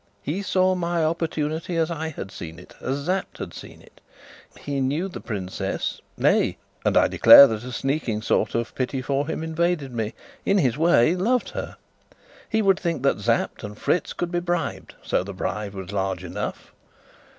He saw my opportunity as I had seen it, as Sapt had seen it; he knew the princess nay (and I declare that a sneaking sort of pity for him invaded me), in his way he loved her; he would think that Sapt and Fritz could be bribed, so the bribe was large enough.